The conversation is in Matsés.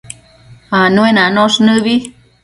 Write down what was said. Anuenanosh nëbi